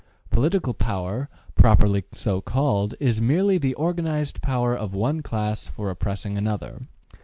Political power, properly so called, is merely the organised power of one class for oppressing another.